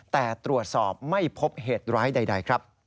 แต่ตรวจสอบไม่พบเหตุร้ายใดครับ